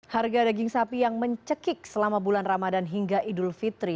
harga daging sapi yang mencekik selama bulan ramadan hingga idul fitri